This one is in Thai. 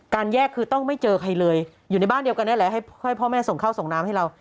แยกคือต้องไม่เจอใครเลยอยู่ในบ้านเดียวกันนี่แหละให้พ่อแม่ส่งข้าวส่งน้ำให้เรา